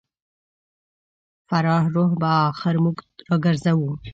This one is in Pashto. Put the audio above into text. فراه رود به اخر موږ راګرځوو.